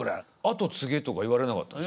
後継げとか言われなかったんですか？